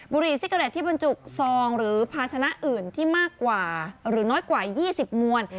บุหรี่ซิกาเต็ตที่บรรจุซองหรือภาชนะอื่นที่มากกว่าหรือน้อยกว่า๒๐มวล